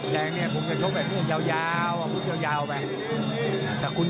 แดงเนี่ยยาวอะพวกจูตยาวลงไป